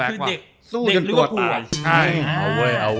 คือเด็กตัวตาย